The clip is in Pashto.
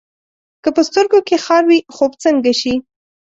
که په سترګو کې خار وي، خوب څنګه شي؟